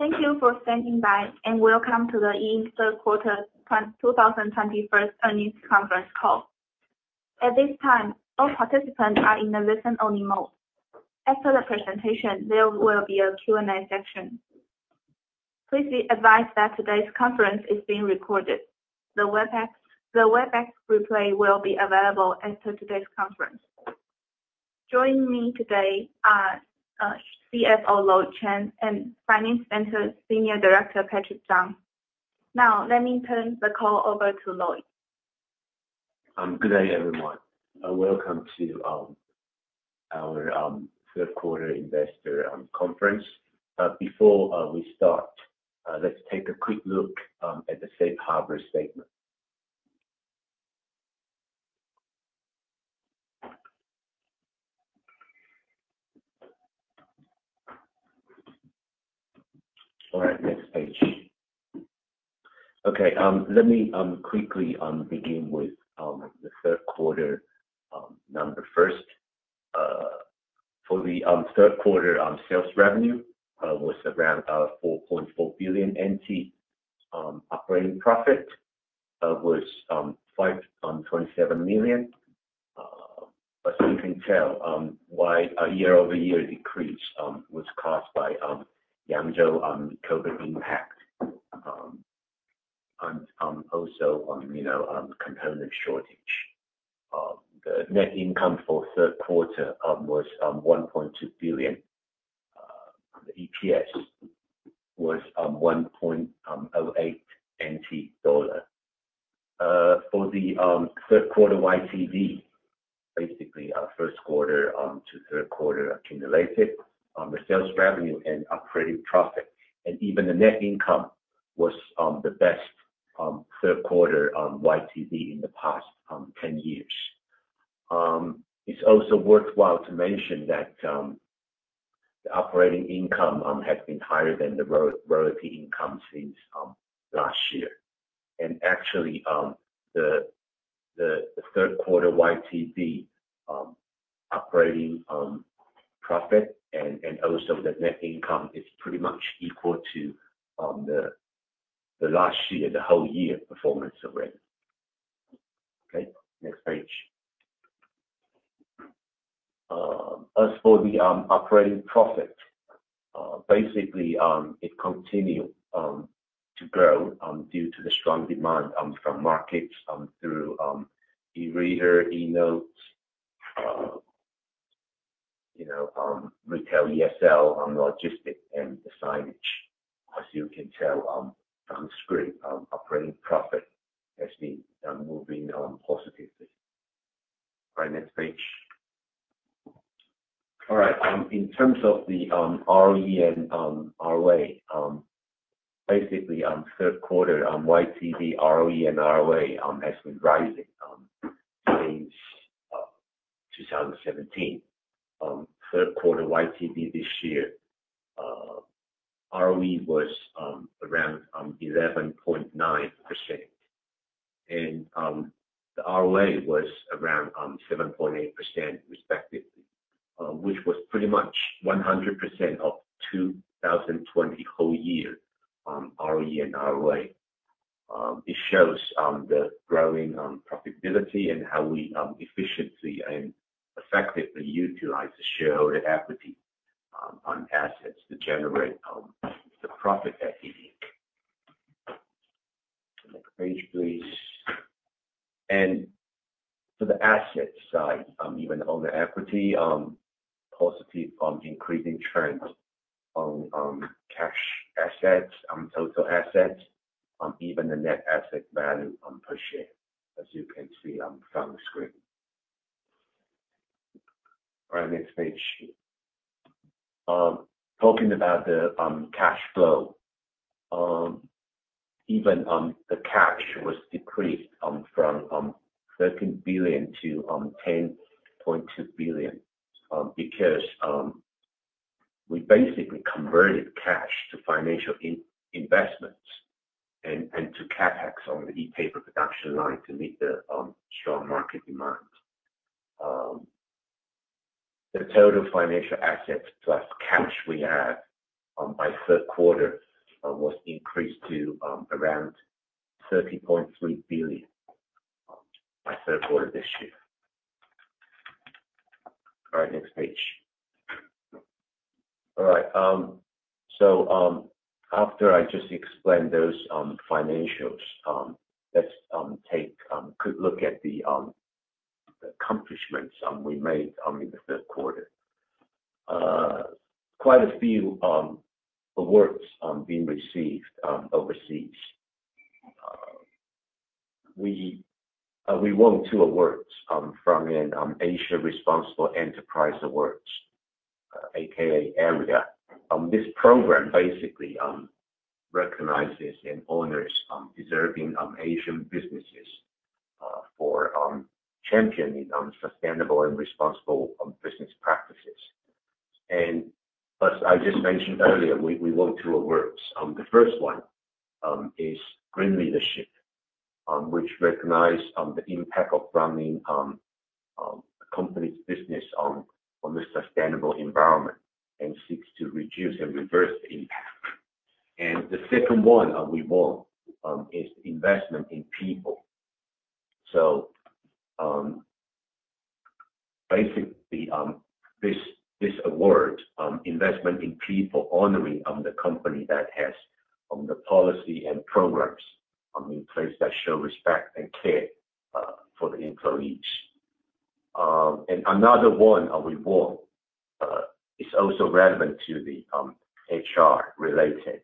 Thank you for standing by, and welcome to the E Ink Third Quarter 2021 Earnings Conference Call. At this time, all participants are in a listen-only mode. After the presentation, there will be a Q&A session. Please be advised that today's conference is being recorded. The Webex replay will be available after today's conference. Joining me today are CFO Lloyd Chen and Finance Center Senior Director Patrick Zhang. Now let me turn the call over to Lloyd. Good day, everyone, and welcome to our third quarter investor conference. Before we start, let's take a quick look at the safe harbor statement. All right, next page. Okay, let me quickly begin with the third quarter number first, for the third quarter sales revenue was around NT 4.4 billion, operating profit was NT 527 million. As you can tell, why a year-over-year decrease was caused by Yangzhou COVID impact, also, you know, component shortage. The net income for third quarter was NT 1.2 billion. The EPS was NT 1.08. For the third quarter YTD, basically our first quarter to third quarter accumulated, the sales revenue and operating profit and even the net income was the best third quarter YTD in the past 10 years. It's also worthwhile to mention that the operating income has been higher than the royalty income since last year. Actually, the third quarter YTD operating profit and also the net income is pretty much equal to the last year, the whole year performance already. Okay, next page. As for the operating profit, basically, it continued to grow due to the strong demand from markets through eReader, eNotes, you know, retail ESL, logistics and the signage. As you can tell from the screen, operating profit has been moving positively. All right, next page. All right. In terms of the ROE and ROA, basically, third quarter YTD, ROE, and ROA has been rising since 2017. Third quarter YTD this year, ROE was around 11.9% and the ROA was around 7.8% respectively, which was pretty much 100% of 2020 whole year ROE and ROA. It shows the growing profitability and how we efficiently and effectively utilize the shareholder equity on assets to generate the profit that we need. Next page, please. For the asset side, even owner equity, positive, increasing trends on cash assets, on total assets, even the net asset value per share, as you can see from the screen. All right, next page. Talking about the cash flow. Even the cash was decreased from NT 13 billion-NT 10.2 billion because we basically converted cash to financial investments and to CapEx on the ePaper production line to meet the strong market demand. The total financial assets plus cash we have, by third quarter was increased to around NT 13.3 billion by third quarter this year. All right, next page. All right. So, after I just explained those financials, let's take quick look at the accomplishments we made in the third quarter. Quite a few awards being received overseas. We won two awards from Asia Responsible Enterprise Awards, aka AREA. This program basically recognizes and honors deserving Asian businesses for championing sustainable and responsible business practices. As I just mentioned earlier, we won two awards. The first one is Green Leadership, which recognize the impact of running a company's business on the sustainable environment and seeks to reduce and reverse the impact. The second one we won is Investment in People. Basically, this award, Investment in People, honoring the company that has the policy and programs in place that show respect and care for the employees. Another one we won is also relevant to HR-related.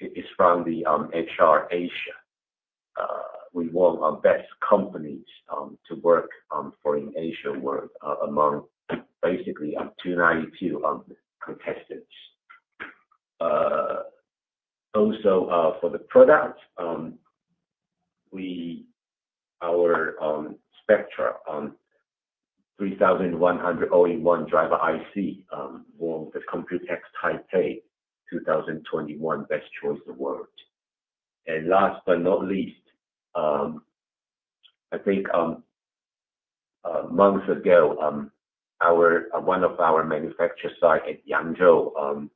It is from HR Asia. We won Best Companies to Work For, in Asia among basically 292 contestants. Also, for the product, our Spectra 3100 All-in-One Driver IC won the COMPUTEX TAIPEI 2021 Best Choice Award. Last but not least, I think months ago, one of our manufacturing sites at Yangzhou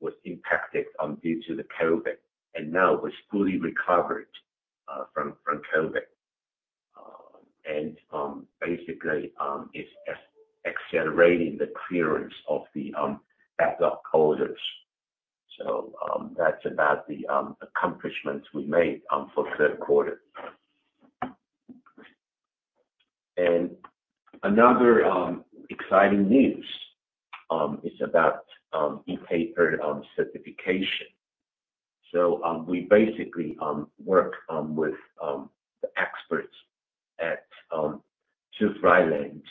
was impacted due to the COVID, and now it's fully recovered from COVID. Basically, it's accelerating the clearance of the backup orders. That's about the accomplishments we made for third quarter. Another exciting news is about ePaper certification. We basically work with the experts at TÜV Rheinland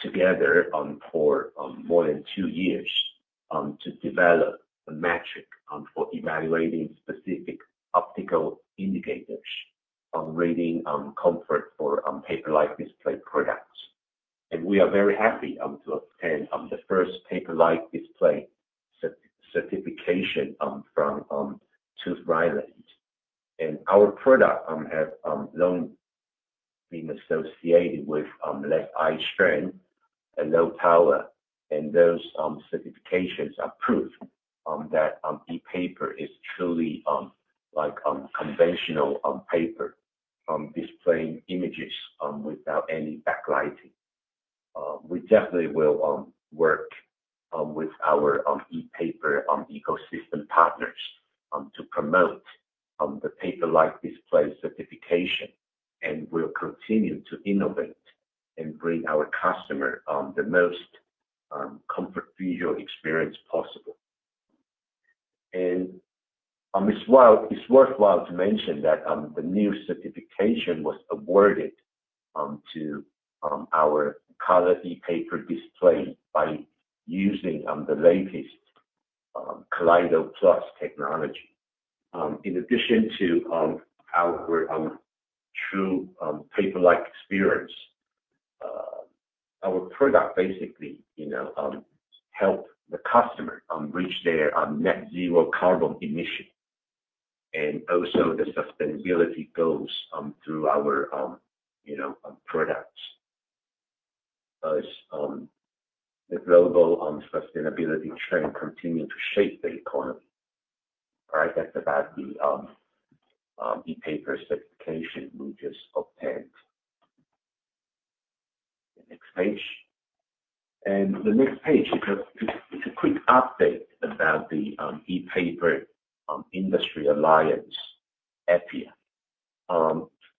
together for more than two years to develop a metric for evaluating specific optical indicators on reading comfort for paper-like display products. We are very happy to obtain the first paper-like display certification from TÜV Rheinland. Our product have long been associated with less eye strain and low power. Those certifications are proof that ePaper is truly like conventional paper displaying images without any backlighting. We definitely will work with our ePaper ecosystem partners to promote the paper-like display certification, and we'll continue to innovate and bring our customer the most comfort visual experience possible. It's worthwhile to mention that the new certification was awarded to our color ePaper display by using the latest Kaleido Plus technology. In addition to our true paper-like experience, our product basically, you know, help the customer reach their net zero carbon emission. Also the sustainability goes through our, you know, products. As the global sustainability trend continue to shape the economy. All right. That's about the ePaper certification we just obtained. The next page. The next page is a quick update about the ePaper Industry Alliance, EPIA.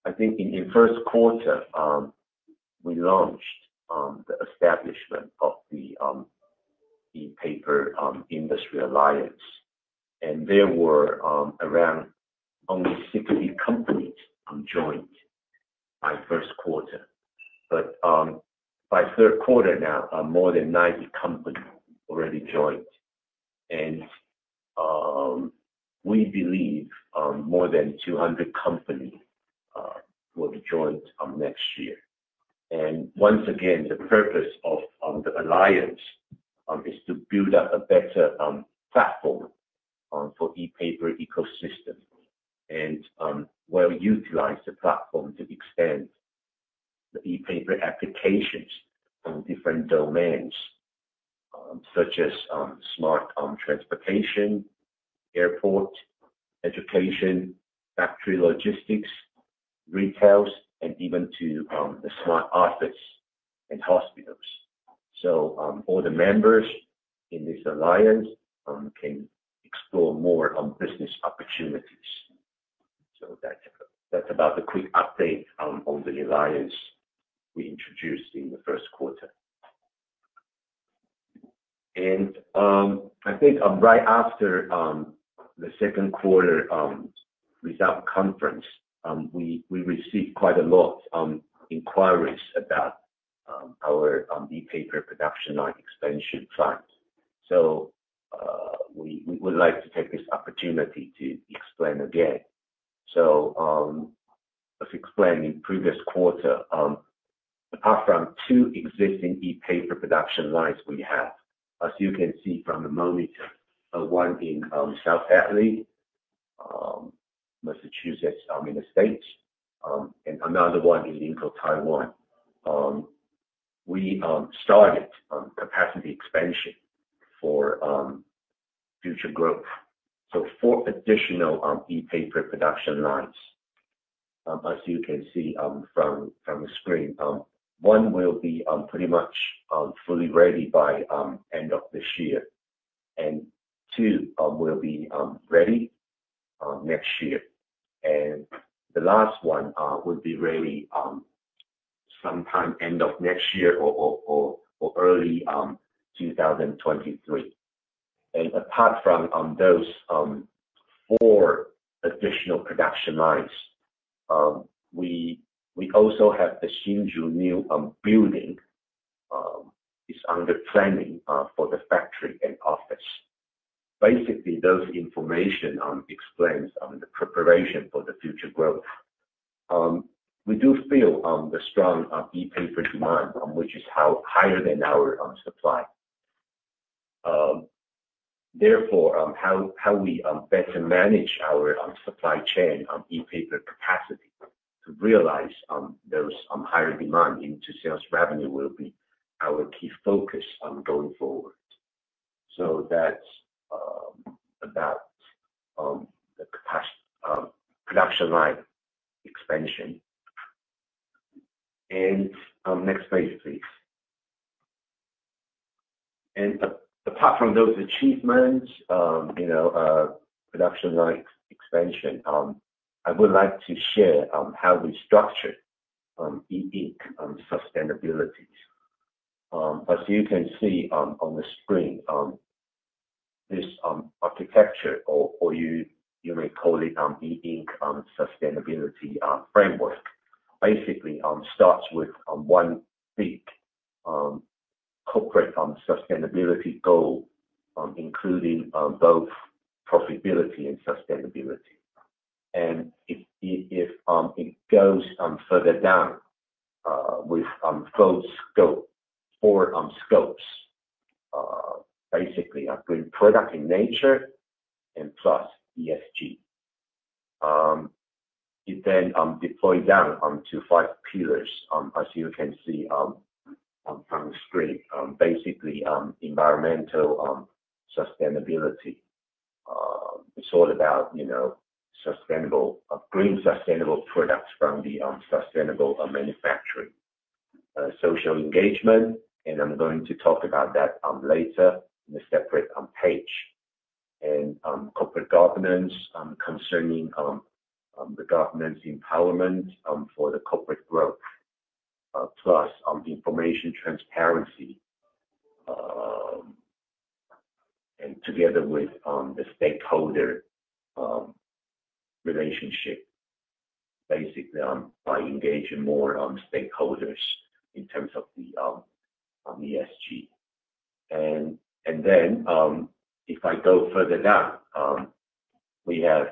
I think in the first quarter, we launched the establishment of the ePaper Industry Alliance, and there were around only 60 companies joined by first quarter. By third quarter now, more than 90 companies already joined. We believe more than 200 companies will join next year. Once again, the purpose of the alliance is to build up a better platform for ePaper ecosystem and well-utilize the platform to extend the ePaper applications on different domains, such as smart transportation, airport, education, factory logistics, retails, and even to the smart office and hospitals. All the members in this alliance can explore more business opportunities. That's about the quick update on the alliance we introduced in the first quarter. I think right after the second quarter results conference we received quite a lot of inquiries about our ePaper production line expansion plans. We would like to take this opportunity to explain again. As explained in previous quarter, apart from two existing ePaper production lines we have, as you can see from the monitor, one in South Hadley, Massachusetts, in the United States, and another one in Linkou, Taiwan. We started capacity expansion for future growth. Four additional ePaper production lines. As you can see from the screen, one will be pretty much fully ready by end of this year. Two will be ready next year. The last one will be ready sometime end of next year or early 2023. Apart from those four additional production lines, we also have the Hsinchu new building is under planning for the factory and office. Basically, those information explains the preparation for the future growth. We do feel the strong ePaper demand, which is much higher than our supply. Therefore, how we better manage our supply chain on ePaper capacity to realize those higher demand into sales revenue will be our key focus going forward. That's about the production line expansion. Next page, please. Apart from those achievements, you know, production line expansion, I would like to share how we structure E Ink sustainability. As you can see on the screen, this architecture or you may call it E Ink sustainability framework. Basically, it starts with one big corporate sustainability goal, including both profitability and sustainability. If it goes further down with full scope or scopes, basically a green product in nature and plus ESG. It then deploy down to five pillars as you can see on the screen. Basically, environmental sustainability. It's all about, you know, sustainable green sustainable products from the sustainable manufacturing. Social engagement, and I'm going to talk about that later in a separate page. Corporate governance concerning the governance empowerment for the corporate growth plus the information transparency. And together with the stakeholder relationship, basically by engaging more on stakeholders in terms of the ESG. If I go further down, we have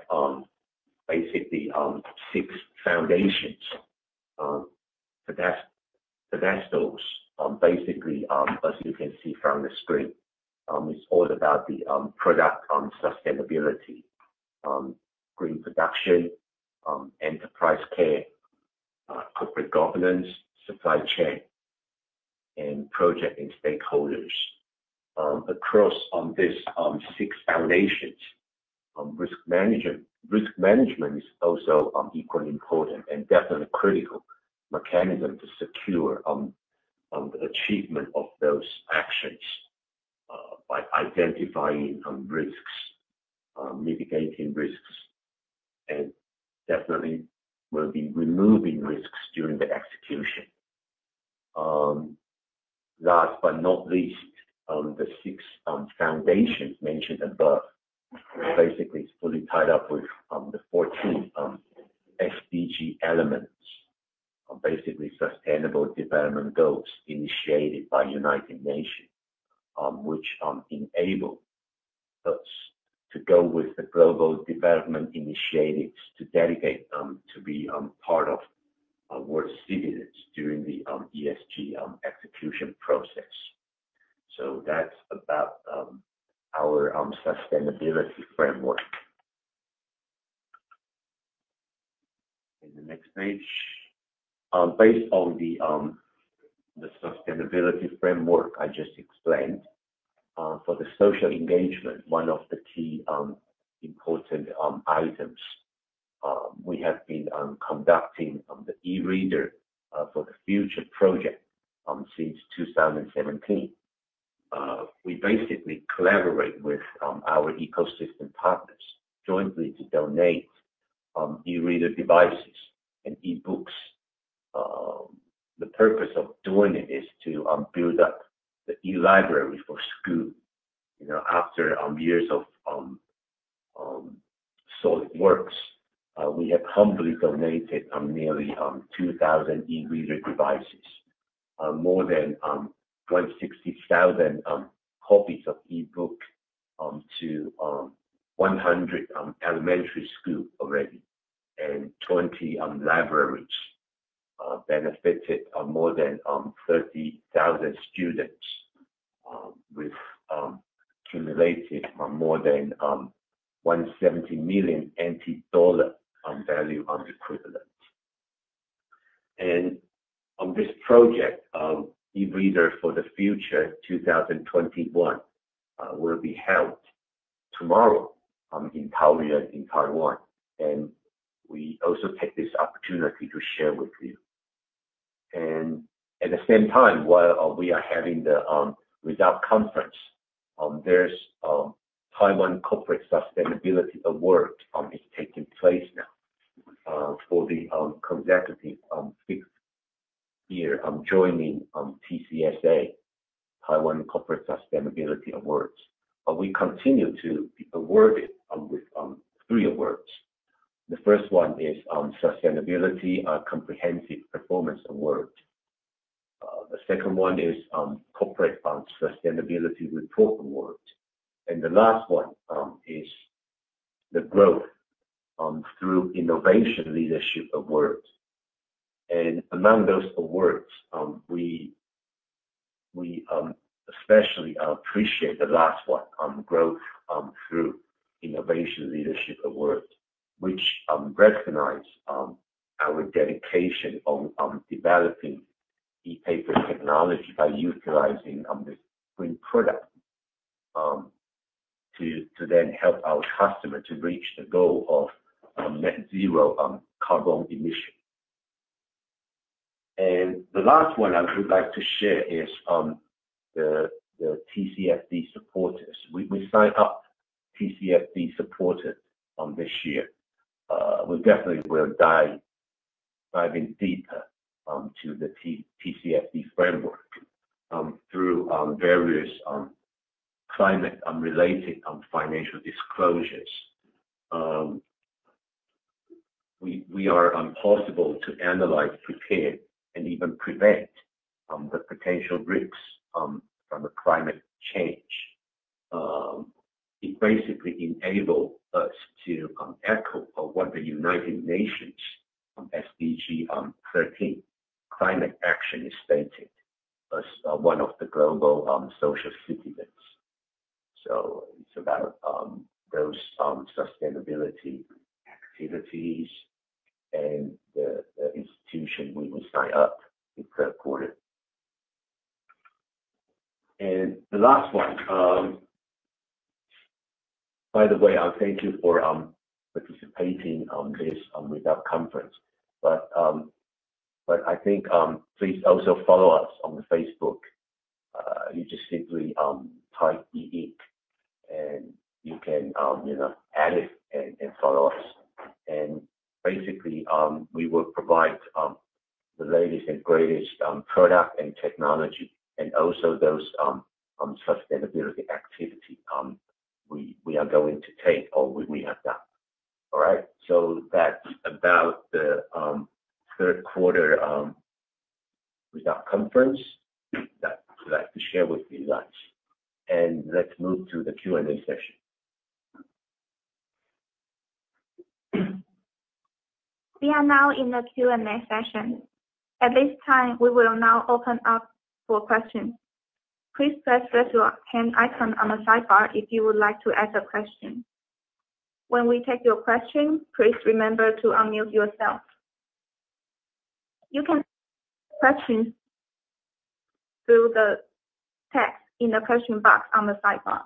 basically six foundations. That's those, basically, as you can see from the screen. It's all about the product and sustainability, green production, enterprise care, corporate governance, supply chain, and project and stakeholders. Across this six foundations, risk management is also equally important and definitely critical mechanism to secure the achievement of those actions by identifying risks, mitigating risks, and definitely will be removing risks during the execution. Last but not least, the six foundations mentioned above basically is fully tied up with the 14 SDG elements of basically sustainable development goals initiated by United Nations, which enable us to go with the global development initiatives to dedicate to be part of world citizens during the ESG execution process. That's about our sustainability framework. The next page. Based on the sustainability framework I just explained, for the social engagement, one of the key important items we have been conducting the E-Reader for the Future project since 2017. We basically collaborate with our ecosystem partners jointly to donate eReader devices and e-books. The purpose of doing it is to build up the e-library for school. You know, after years of solid works we have humbly donated nearly 2,000 eReader devices. More than 26,000 copies of e-books to 100 elementary school already and 20 libraries benefited more than 30,000 students with accumulated more than NT 170 million value equivalent. This project, eRead for the Future 2021, will be held tomorrow in Taoyuan in Taiwan. We also take this opportunity to share with you. At the same time, while we are having the results conference, there's the Taiwan Corporate Sustainability Award is taking place now for the consecutive fifth year joining TCSA, Taiwan Corporate Sustainability Awards. We continue to be awarded with three awards. The first one is Sustainability Comprehensive Performance Award. The second one is Corporate Sustainability Report Award. The last one is the Growth through Innovation Leadership Award. Among those awards, we especially appreciate the last one, Growth through Innovation Leadership Award, which recognize our dedication on developing ePaper technology by utilizing this green product to then help our customer to reach the goal of net zero carbon emission. The last one I would like to share is the TCFD supporters. We signed up TCFD supporters this year. We definitely will dive in deeper to the TCFD framework through various climate related financial disclosures. We are able to analyze, prepare, and even prevent the potential risks from the climate change. It basically enable us to echo of what the United Nations SDG 13 climate action is stating as one of the global social citizens. It's about those sustainability activities and the institution we will sign up in third quarter. The last one, by the way, thank you for participating on this results conference. I think please also follow us on Facebook. You just simply type E Ink and you can you know add it and follow us. Basically, we will provide the latest and greatest product and technology and also those sustainability activity, we are going to take or we have done. All right. So that's about the third quarter result conference that I'd like to share with you guys. Let's move to the Q&A session. We are now in the Q&A session. At this time, we will now open up for questions. Please press the raise your hand icon on the sidebar if you would like to ask a question. When we take your question, please remember to unmute yourself. You can ask questions through the text in the question box on the sidebar.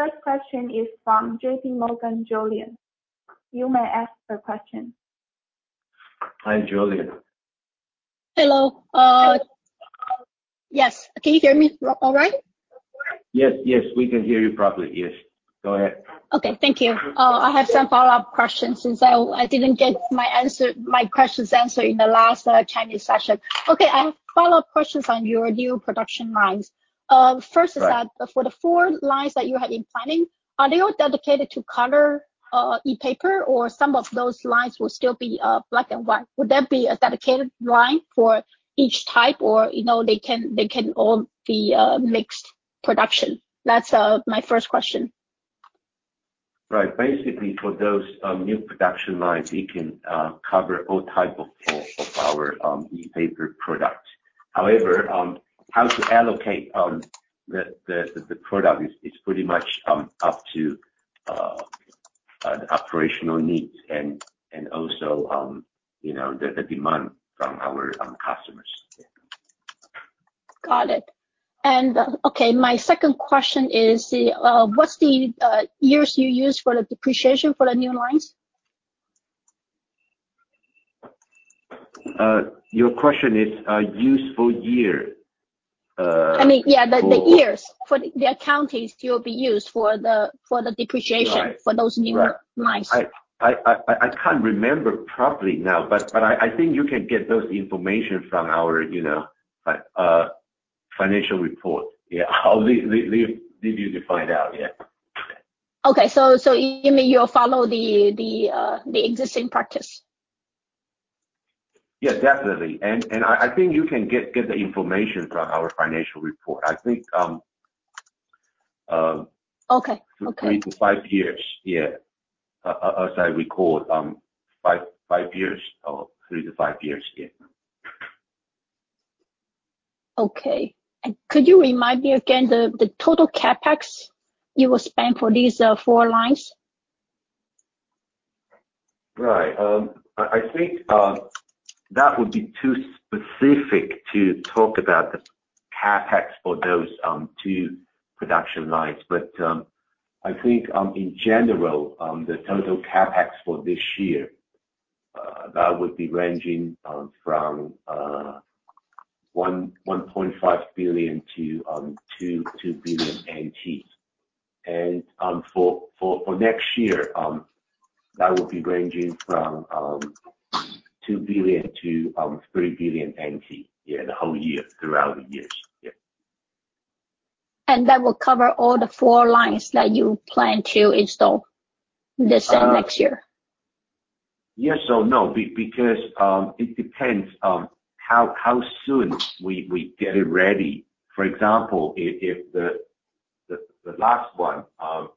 The first question is from J.P. Morgan, Julian. You may ask the question. Hi, Julian. Hello. Yes. Can you hear me all right? Yes. Yes, we can hear you properly. Yes. Go ahead. Okay. Thank you. I have some follow-up questions since I didn't get my questions answered in the last Chinese session. Okay, I have follow-up questions on your new production lines. Right. First is that for the four lines that you have been planning, are they all dedicated to color ePaper, or some of those lines will still be black and white? Would that be a dedicated line for each type or, you know, they can all be mixed production? That's my first question. Right. Basically, for those new production lines, it can cover all type of our ePaper products. However, how to allocate the product is pretty much up to the operational needs and also, you know, the demand from our customers. Got it. Okay, my second question is, what's the years you use for the depreciation for the new lines? Your question is useful year? I mean, yeah, the years for the accounting still be used for the depreciation. Right. For those new lines. I can't remember properly now, but I think you can get those information from our, you know, financial report. Yeah. I'll leave you to find out. Yeah. Okay. You mean you'll follow the existing practice? Yes, definitely. I think you can get the information from our financial report. Okay. Okay. Three to five years. Yeah. As I recall, five years or three to five years, yeah. Okay. Could you remind me again the total CapEx you will spend for these four lines? Right. I think that would be too specific to talk about the CapEx for those two production lines. I think in general the total CapEx for this year, that would be ranging from NT 1.5 billion-NT 2 billion and for next year ghat would ranging form NT 2 billion-NT 3 billion, yeah, the whole year throughout the years. Yeah. That will cover all the four lines that you plan to install this and next year? Yes or no. Because it depends on how soon we get it ready. For example, if the last one was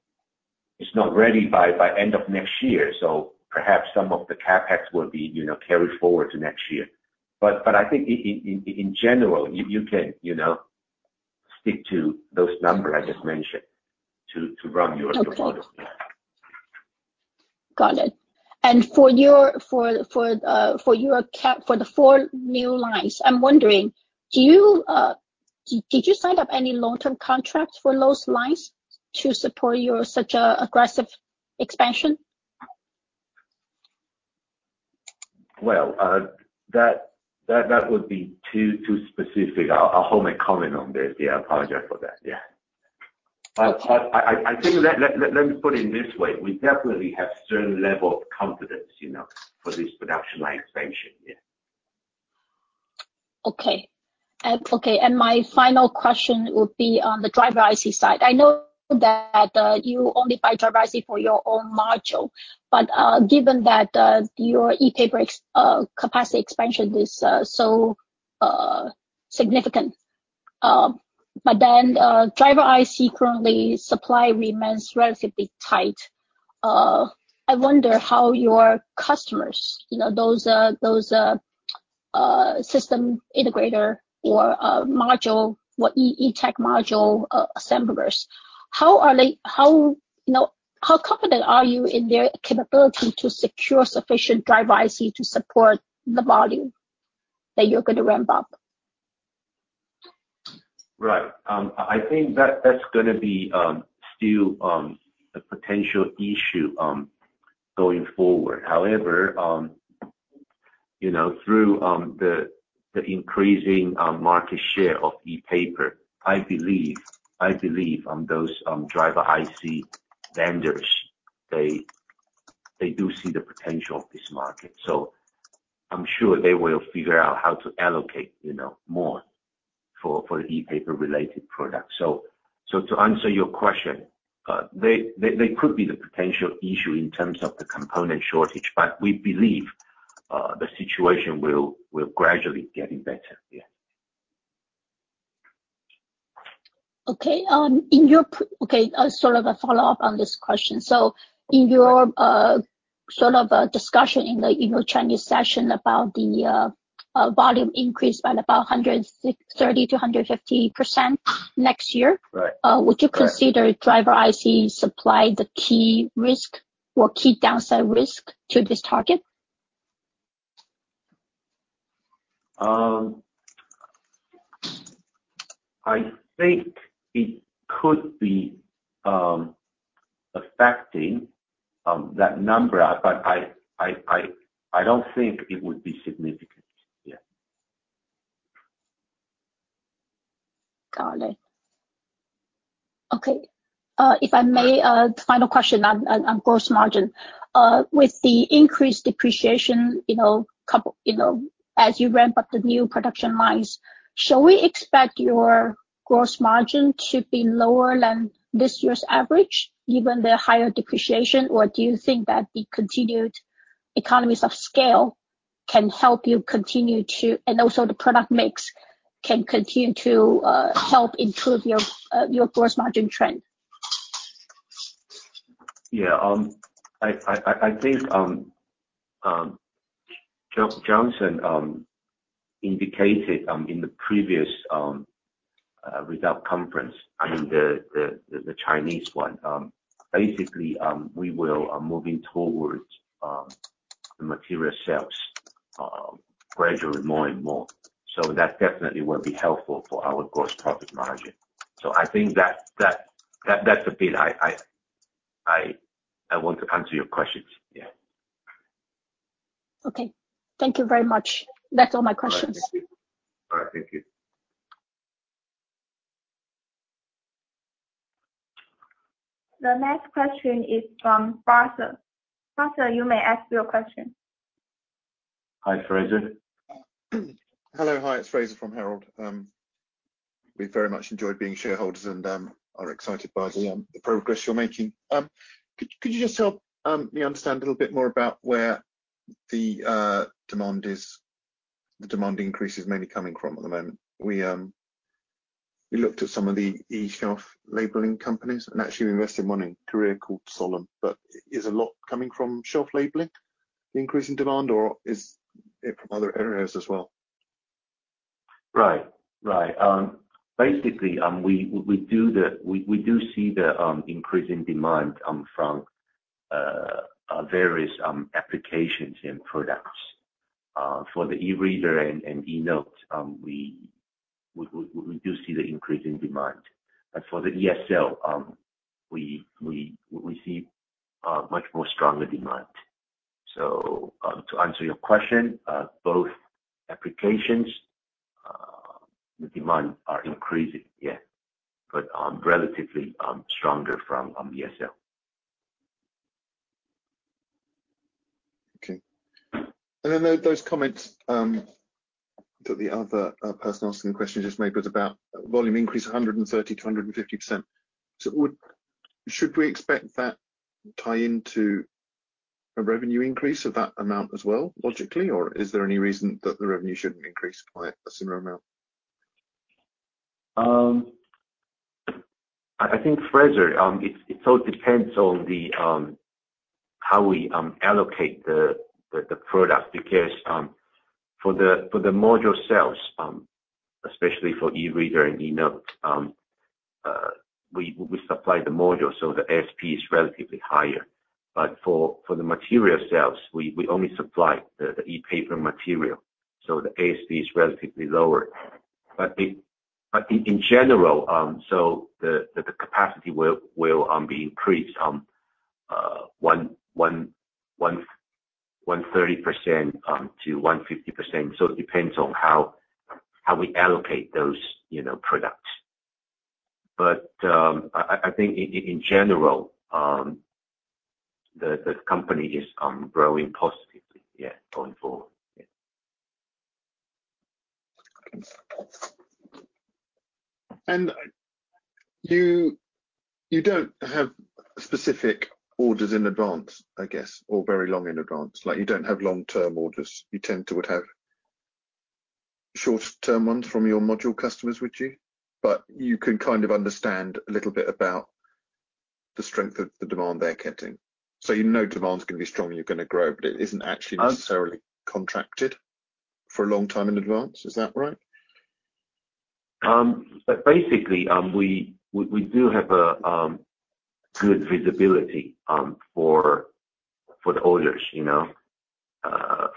not ready by end of next year, perhaps some of the CapEx will be carried forward to next year. But I think in general, you can stick to those numbers I just mentioned to run your total. Okay. Got it. For the four new lines, I'm wondering, did you sign up any long-term contracts for those lines to support your such a aggressive expansion? Well, that would be too specific. I'll hold my comment on this. Yeah, I apologize for that. Yeah. Okay. I think let me put it this way. We definitely have certain level of confidence, you know, for this production line expansion. Yeah. My final question would be on the Spectra All-in-One Driver IC side. I know that you only buy Driver IC for your own module, but given that your ePaper capacity expansion is so significant, but then Driver IC current supply remains relatively tight. I wonder how your customers, you know, those system integrator or module or e-tech module assemblers, how confident are you in their capability to secure sufficient Driver IC to support the volume that you're gonna ramp up? Right. I think that's gonna be still a potential issue going forward. However, you know, through the increasing market share of ePaper, I believe those Driver IC vendors they do see the potential of this market. I'm sure they will figure out how to allocate, you know, more for ePaper related products. To answer your question, they could be the potential issue in terms of the component shortage, but we believe the situation will gradually getting better. Yeah. Sort of a follow-up on this question. In your sort of a discussion in your Chinese session about the volume increase by about 130%-150% next year Right. Would you consider Driver IC supply the key risk or key downside risk to this target? I think it could be affecting that number, but I don't think it would be significant. Yeah. Got it. Okay. If I may, final question on gross margin. With the increased depreciation, you know, as you ramp up the new production lines, shall we expect your gross margin to be lower than this year's average, given the higher depreciation? Or do you think that the continued economies of scale can help you continue to improve your gross margin trend? Also, the product mix can continue to help improve your gross margin trend? I think Johnson Lee indicated in the previous results conference. I mean the Chinese one. Basically, we will moving towards the material sales gradually more and more. That definitely will be helpful for our gross profit margin. I think that's a bit I want to answer your questions. Okay. Thank you very much. That's all my questions. All right. Thank you. The next question is from Fraser. Fraser, you may ask your question. Hi, Fraser. Hello. Hi, it's Fraser from Herald. We very much enjoyed being shareholders and are excited by the progress you're making. Could you just help me understand a little bit more about where the demand increase is mainly coming from at the moment? We looked at some of the e-shelf labeling companies, and actually we invested one in Korea called SoluM. Is a lot coming from shelf labeling, the increase in demand, or is it from other areas as well? Right. Right. Basically, we do see the increase in demand from various applications and products. For the eReader and eNote, we do see the increase in demand. For the ESL, we see much more stronger demand. To answer your question, both applications, the demand are increasing. Yeah. Relatively, stronger from ESL. Okay. Those comments that the other person asking the question just made was about volume increase 130%-150%. Should we expect that tie into a revenue increase of that amount as well, logically? Or is there any reason that the revenue shouldn't increase by a similar amount? I think, Fraser, it all depends on how we allocate the product. Because for the module sales, especially for eReader and eNote, we supply the module, so the ASP is relatively higher. But for the material sales, we only supply the ePaper material, so the ASP is relatively lower. In general, the capacity will be increased 130%-150%. It depends on how we allocate those, you know, products. I think in general, the company is growing positively, yeah, going forward. Yeah. You don't have specific orders in advance, I guess, or very long in advance. Like, you don't have long-term orders. You tend to would have short-term ones from your module customers, would you? But you can kind of understand a little bit about the strength of the demand they're getting. You know demand's gonna be strong and you're gonna grow, but it isn't actually necessarily contracted for a long time in advance. Is that right? Basically, we do have good visibility for the orders, you know,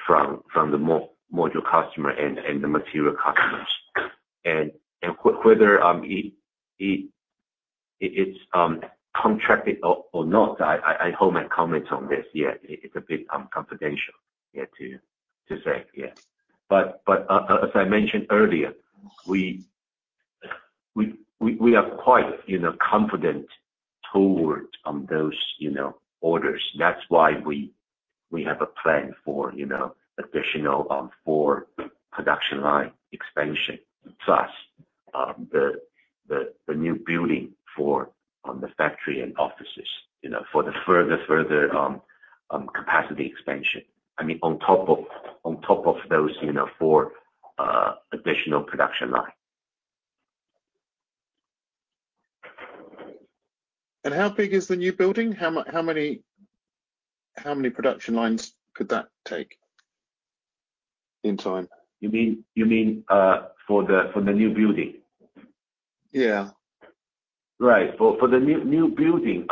from the module customer and the material customers. Whether it's contracted or not, I withhold my comments on this. It's a bit confidential to say. As I mentioned earlier, we are quite confident towards those orders. That's why we have a plan for additional four production line expansion. Plus, the new building for the factory and offices, you know, for the further capacity expansion. I mean, on top of those four additional production line. How big is the new building? How many production lines could that take in time? You mean for the new building? Yeah. Right. For the new building,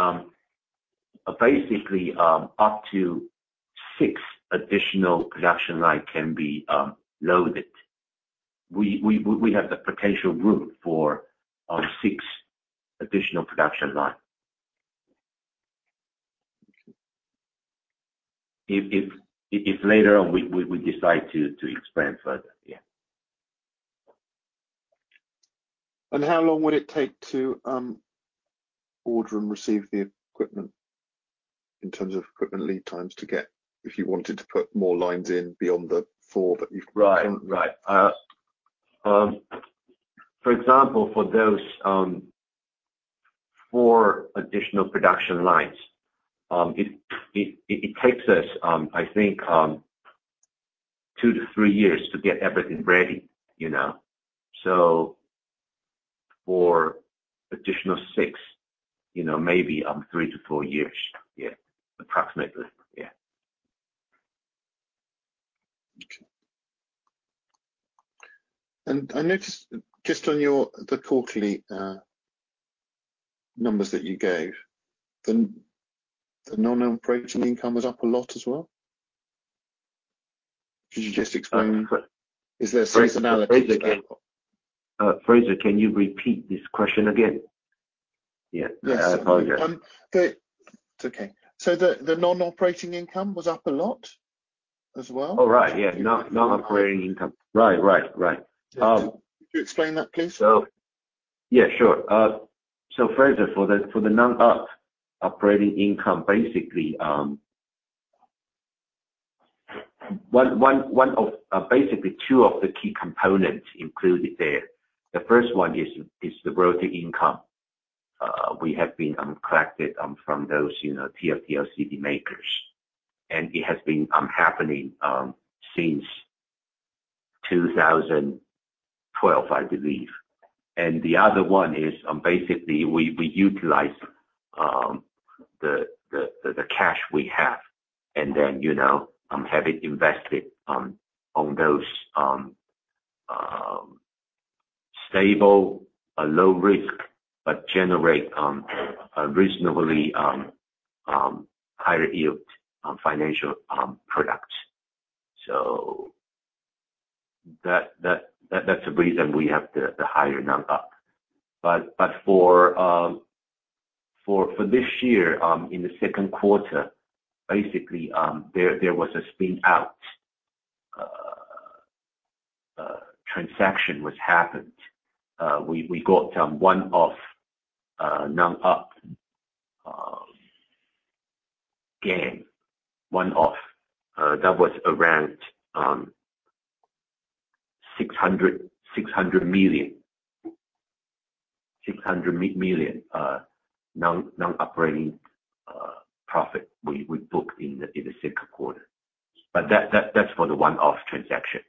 basically, up to six additional production lines can be loaded. We have the potential room for six additional production lines. If later on we decide to expand further. Yeah. How long would it take to order and receive the equipment in terms of equipment lead times to get if you wanted to put more lines in beyond the four that you've? Right. For example, for those four additional production lines, it takes us, I think, to to three years to get everything ready, you know. For additional six lines, you know, maybe three to four years. Yeah. Approximately. Yeah. I noticed just on your quarterly numbers that you gave, the non-operating income was up a lot as well. Could you just explain? Is there a seasonality to that? Fraser, can you repeat this question again? Yeah. Yes. I apologize. The non-operating income was up a lot as well? Oh, right. Yeah. Non-operating income. Right. Could you explain that, please? Yeah, sure. Fraser, for the non-op income, basically two of the key components included there, the first one is the royalty income. We have been collecting from those, you know, TFT-LCD makers. It has been happening since 2012, I believe. The other one is basically we utilize the cash we have and then, you know, have it invested in those stable, low-risk but generating a reasonably higher yield financial products. That's the reason we have the higher non-op. For this year, in the second quarter, basically, there was a spin-out transaction which happened. We got one-off non-op gain. That was around NT 600 million non-operating profit we booked in the second quarter. That's for the one-off transaction.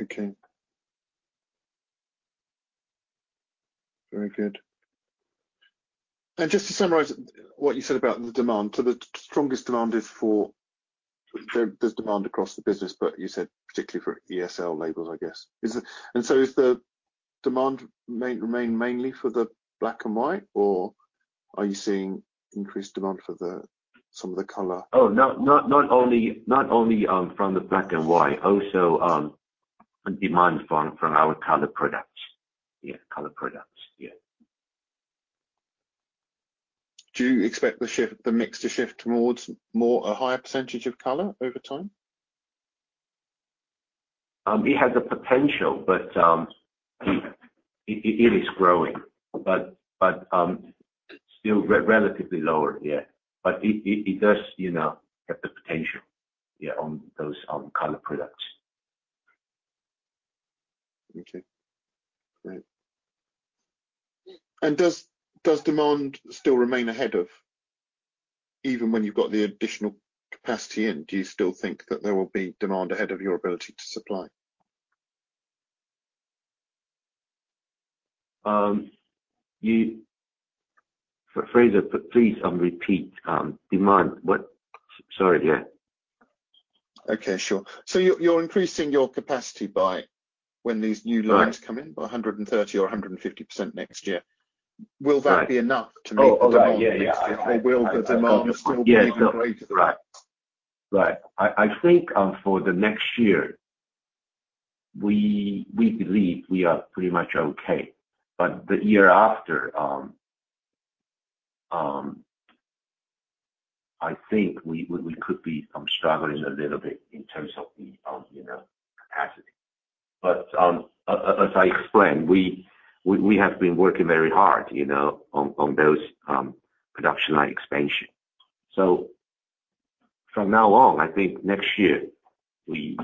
Okay. Very good. Just to summarize what you said about the demand. There's demand across the business, but you said particularly for ESL labels, I guess. Is the demand remain mainly for the black and white, or are you seeing increased demand for some of the color? Not only from the black and white, also demand from our color products. Yeah, color products, yeah. Do you expect the shift, the mix to shift towards more, a higher percentage of color over time? It has the potential, but it is growing, but still relatively lower, yeah. It does, you know, have the potential, yeah, on those color products. Okay. Great. Does demand still remain ahead of, even when you've got the additional capacity in, do you still think that there will be demand ahead of your ability to supply? Fraser, please repeat demand. What? Sorry. Yeah. Okay, sure. You're increasing your capacity, when these new lines come in, by 130% or 150% next year? Right. Will that be enough to meet the demand next year? Oh. Oh, right. Yeah, yeah. Will the demand still be even greater? Yeah. No. Right. Right. I think for the next year, we believe we are pretty much okay. The year after, I think we could be struggling a little bit in terms of the you know, capacity. As I explained, we have been working very hard, you know, on those production line expansion. From now on, I think next year we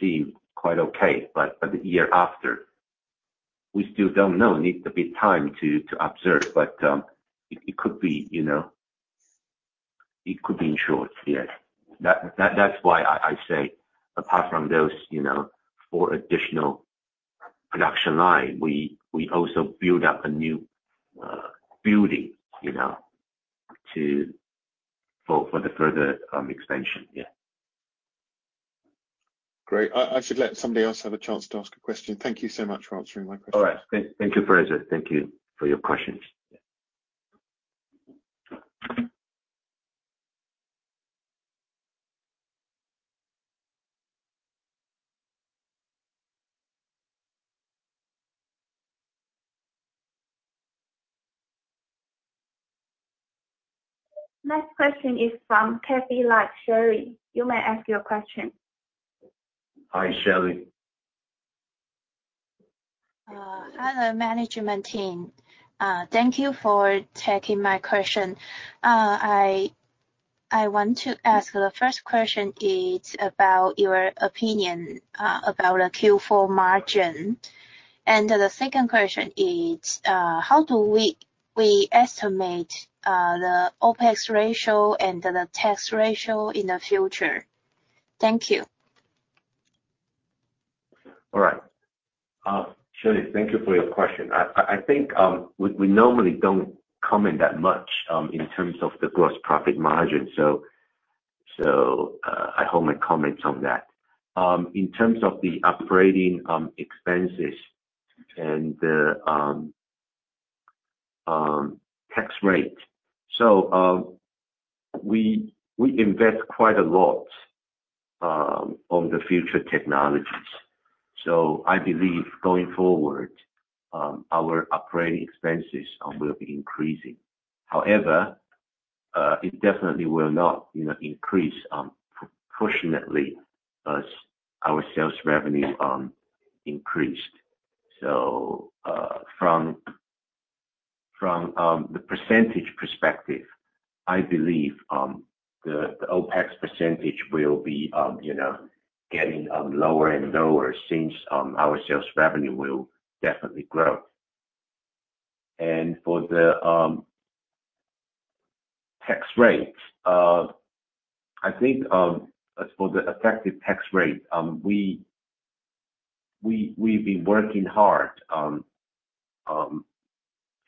seem quite okay, but the year after, we still don't know. We need a bit time to observe, but it could be, you know, it could be in short, yes. That's why I say apart from those, you know, four additional production line, we also build up a new building, you know, to for the further expansion. Yeah. Great. I should let somebody else have a chance to ask a question. Thank you so much for answering my question. All right. Thank you, Fraser. Thank you for your questions. Yeah. Next question is from Sherry. You may ask your question. Hi, Sherry. Hello, management team. Thank you for taking my question. I want to ask, the first question is about your opinion about the Q4 margin. The second question is, how do we estimate the OPEX ratio and the tax ratio in the future? Thank you. All right. Sherry, thank you for your question. I think we normally don't comment that much in terms of the gross profit margin. I hold my comments on that. In terms of the operating expenses and the tax rate, we invest quite a lot on the future technologies. I believe going forward our operating expenses will be increasing. However, it definitely will not increase proportionately as our sales revenue increased. From the percentage perspective, I believe the OPEX percentage will be you know getting lower and lower since our sales revenue will definitely grow. For the tax rates, I think, as for the effective tax rate, we've been working hard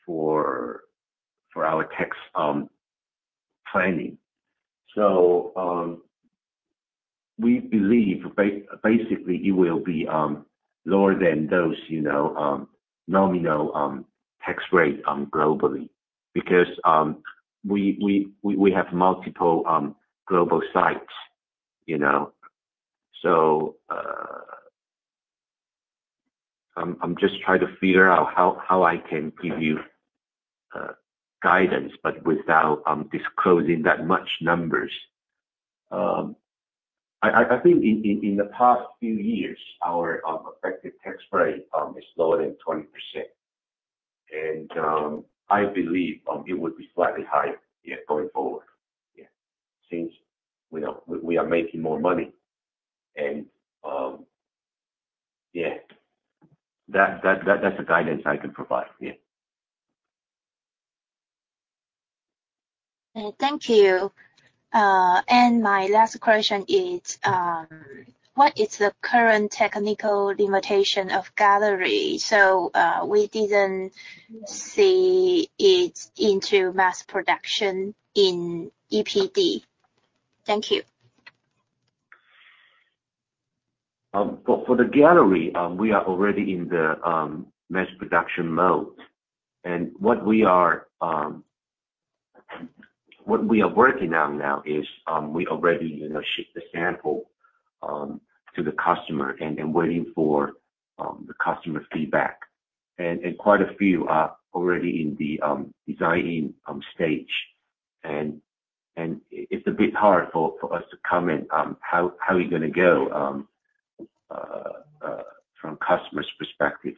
for our tax planning. We believe basically it will be lower than those, you know, nominal tax rate globally because we have multiple global sites, you know. I'm just trying to figure out how I can give you guidance, but without disclosing that much numbers. I think in the past few years, our effective tax rate is lower than 20%. I believe it would be slightly higher, yeah, going forward, yeah, since we are making more money. Yeah. That's the guidance I can provide. Yeah. Thank you. My last question is, what is the current technical limitation of Gallery? We didn't see it on mass production in EPD. Thank you. For the Gallery, we are already in the mass production mode. What we are working on now is we already you know shipped the sample to the customer and waiting for the customer feedback. Quite a few are already in the designing stage. It's a bit hard for us to comment how you're gonna go from customers' perspective.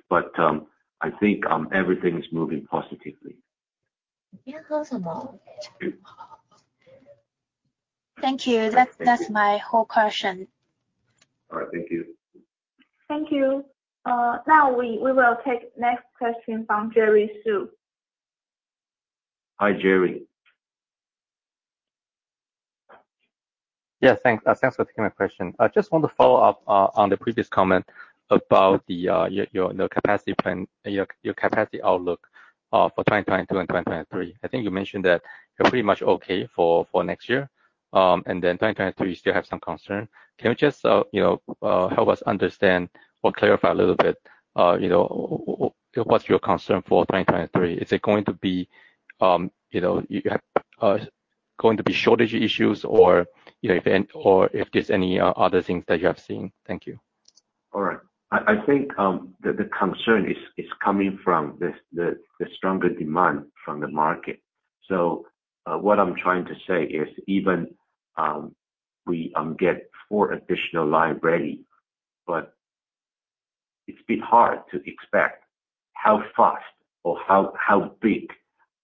I think everything is moving positively. Thank you. That's my whole question. All right. Thank you. Thank you. Now we will take next question from Jerry Su. Hi, Jerry. Yes, thanks. Thanks for taking my question. I just want to follow up on the previous comment about your capacity plan, your capacity outlook for 2022 and 2023. I think you mentioned that you're pretty much okay for next year. 2023, you still have some concern. Can you just you know help us understand or clarify a little bit you know what's your concern for 2023? Is it going to be you know shortage issues or you know if any, or if there's any other things that you have seen? Thank you. All right. I think the concern is coming from the stronger demand from the market. What I'm trying to say is even we get four additional line ready, but it's a bit hard to expect how fast or how big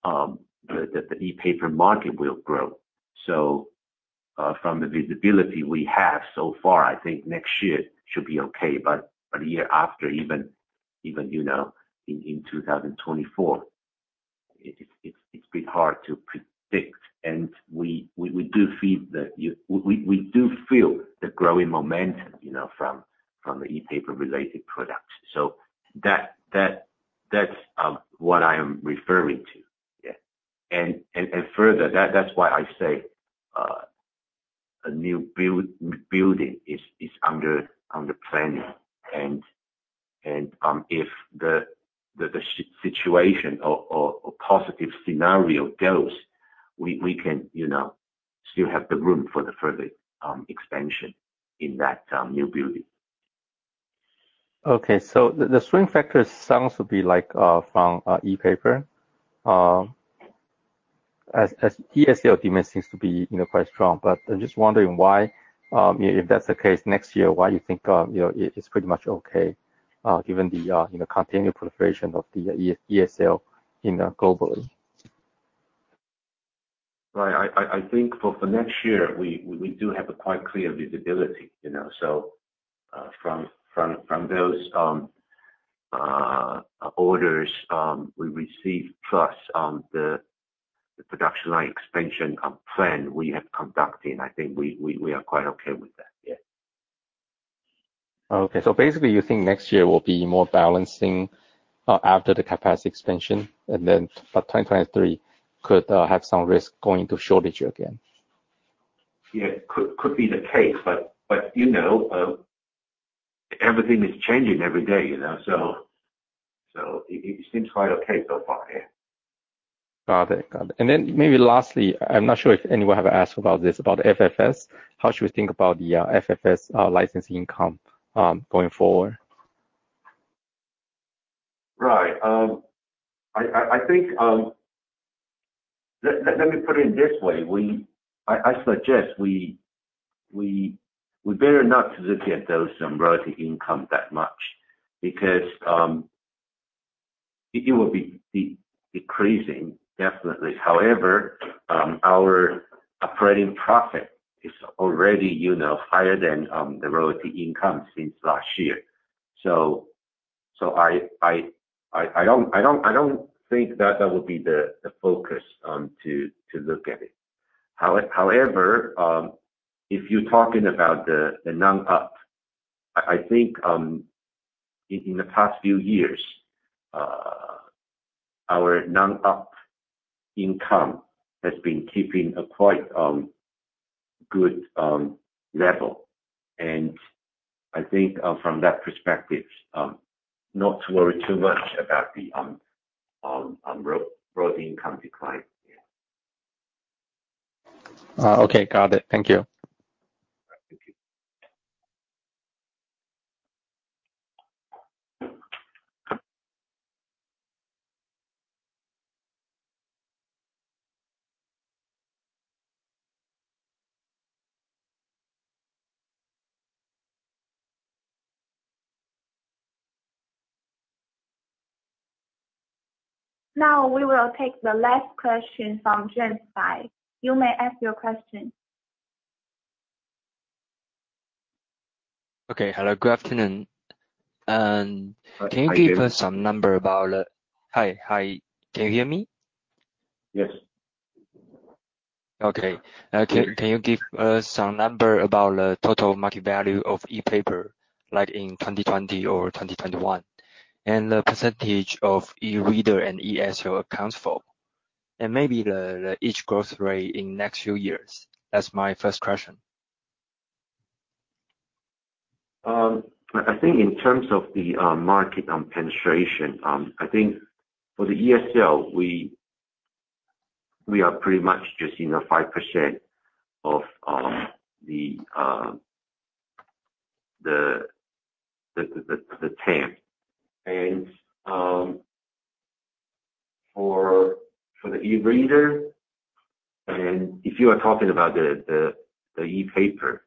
the ePaper market will grow. From the visibility we have so far, I think next year should be okay. A year after, even you know, in 2024, it's a bit hard to predict. We do feel the growing momentum, you know, from the ePaper related products. That's what I am referring to. Yeah. Further, that's why I say a new building is under planning. If the situation or positive scenario goes, we can, you know, still have the room for the further expansion in that new building. Okay. The swing factors sounds to be like from ePaper. As ESL demand seems to be, you know, quite strong, but I'm just wondering why, if that's the case next year, why you think, you know, it's pretty much okay, given the, you know, continued proliferation of the ESL globally? Right. I think for next year, we do have quite clear visibility, you know. From those orders we received plus the production line expansion plan we have conducting. I think we are quite okay with that. Yeah. Okay. Basically, you think next year will be more balancing after the capacity expansion, and then but 2023 could have some risk going to shortage again? Yeah. Could be the case, but you know, everything is changing every day, you know. It seems quite okay so far, yeah. Got it. Then maybe lastly, I'm not sure if anyone have asked about this, about FFS. How should we think about the FFS licensing income going forward? Right. I think. Let me put it this way. I suggest we better not look at those royalty income that much because it will be decreasing, definitely. However, our operating profit is already, you know, higher than the royalty income since last year. I don't think that that would be the focus to look at it. However, if you're talking about the non-op, I think in the past few years, our non-op income has been keeping a quite good level. I think from that perspective not to worry too much about the royalty income decline. Yeah. Okay. Got it. Thank you. Thank you. Now, we will take the last question from James Bai. You may ask your question. Okay. Hello, good afternoon. Hi, James. Hi. Hi. Can you hear me? Yes. Okay. Can you give us some number about the total market value of ePaper, like in 2020 or 2021? The percentage of eReader and ESL accounts for? Maybe the each growth rate in next few years. That's my first question. I think in terms of the market penetration, I think for the ESL, we are pretty much just, you know, 5% of the TAM. For the eReader and if you are talking about the ePaper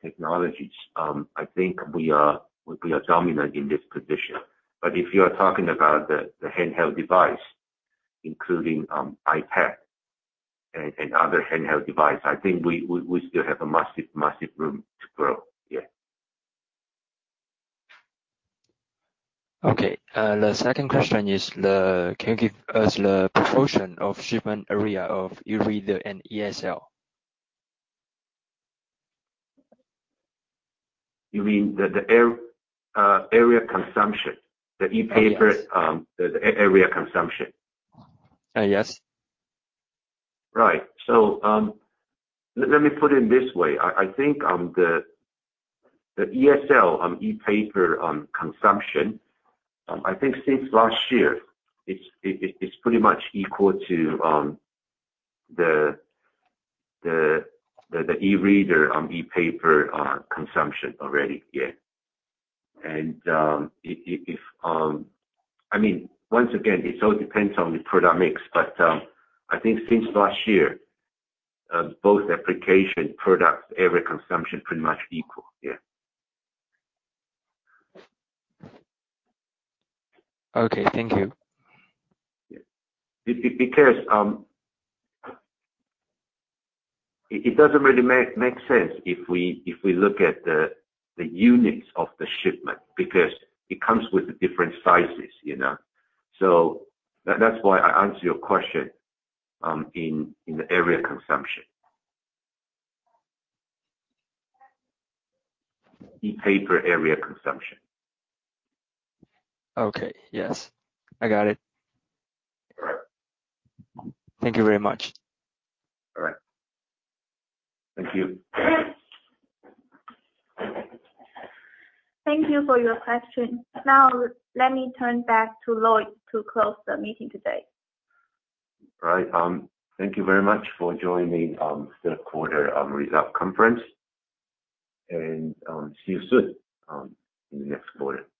technologies, I think we are dominant in this position. If you are talking about the handheld device, including iPad and other handheld device, I think we still have a massive room to grow. Yeah. Okay. The second question is, can you give us the proportion of shipment area of eReader and ESL? You mean the area consumption? The ePaper- Oh, yes. The area consumption? Yes. Right. Let me put it this way. I think the ESL on ePaper consumption I think since last year, it's pretty much equal to the eReader and ePaper consumption already. Yeah. I mean, once again, it all depends on the product mix. I think since last year both application products area consumption pretty much equal. Yeah. Okay, thank you. Yeah. Because it doesn't really make sense if we look at the units of the shipment because it comes with different sizes, you know. That's why I answer your question in the ePaper area consumption. Okay. Yes. I got it. All right. Thank you very much. All right. Thank you. Thank you for your question. Now, let me turn back to Lloyd to close the meeting today. Right. Thank you very much for joining third quarter results conference. See you soon in the next quarter. Thank you.